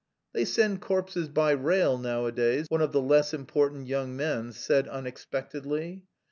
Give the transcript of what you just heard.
"They send corpses by rail nowadays," one of the less important young men said unexpectedly.